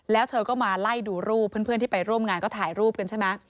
แล้วเธอก็มาไล่ดูรูปเพื่อนที่ไปร่วมงานก็ถ่ายรูปกันใช่ไหม